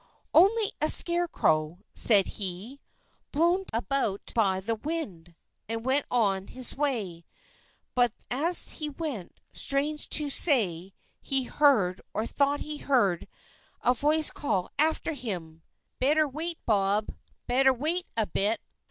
"Only a scarecrow," said he, "blown about by the wind," and went on his way. But as he went, strange to say, he heard, or thought he heard, a voice call after him, "Better not, Bob! Better wait a bit!"